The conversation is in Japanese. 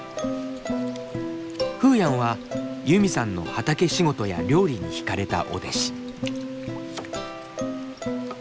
フーヤンはユミさんの畑仕事や料理に惹かれたお弟子。